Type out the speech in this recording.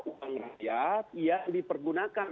uang rakyat yang dipergunakan